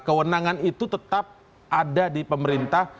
kewenangan itu tetap ada di pemerintah